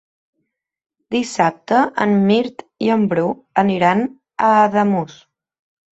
Dissabte en Mirt i en Bru aniran a Ademús.